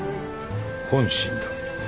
本心だ。